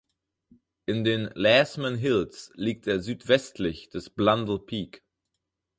In den Larsemann Hills liegt er südwestlich des Blundell Peak.